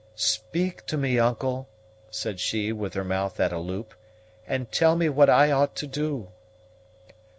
"Speak to me, uncle," said she, with her mouth at a loop, "and tell me what I ought to do."